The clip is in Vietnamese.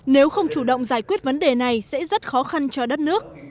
nếu không chủ động giải quyết vấn đề này sẽ rất khó khăn cho đất nước